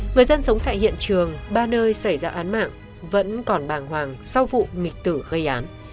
người dân sống tại hiện trường ba nơi xảy ra án mạng vẫn còn bàng hoàng sau vụ mịch tử gây án